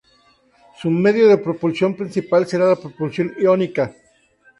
Su medio de propulsión principal será la propulsión iónica.